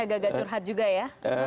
gagak curhat juga ya